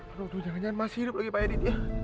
aduh jangan jangan masih hidup lagi pak yadi